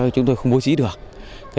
chúng tôi không bố trí được